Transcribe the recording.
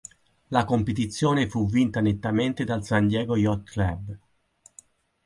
La competizione fu vinta nettamente dal San Diego Yacht Club.